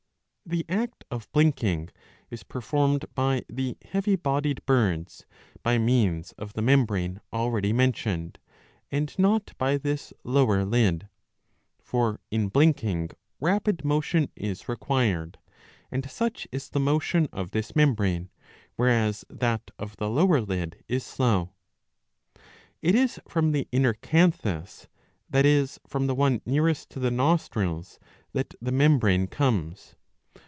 The act of blinking is performed by the heavy bodied birds' by means of the membrane already mentioned, and not by this lower lid. For in blinking rapid motion is required, and such is the motion of this membrane, whereas that of the lower lid is slow. It is from the inner canthus, that is from the one nearest 657 b. 48 ii. 13 — ii. 14. to the nostrils, that the membrane comes.